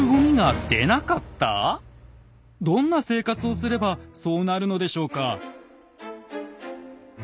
どんな生活をすればそうなるのでしょうか。